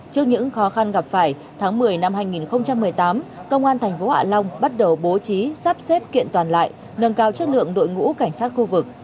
trước những khó khăn gặp phải tháng một mươi năm hai nghìn một mươi tám công an tp hạ long bắt đầu bố trí sắp xếp kiện toàn lại nâng cao chất lượng đội ngũ cảnh sát khu vực